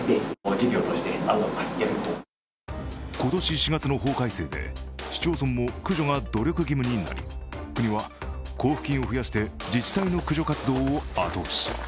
今年４月の法改正で市町村も駆除が努力義務になり国は交付金を増やして自治体の駆除活動を後押し。